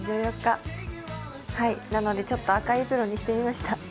なので、ちょっと赤いエプロンにしてみました。